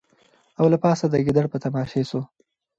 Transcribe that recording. او له پاسه د ګیدړ په تماشې سو